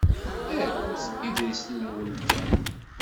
Arut, idles-nwen kan.